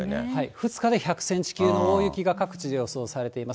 ２日で１００センチ級の大雪が各地で予想されています。